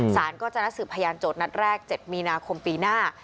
สารก็จะนัดสืบพยานโจทย์นัดแรก๗มีนาคมปีหน้า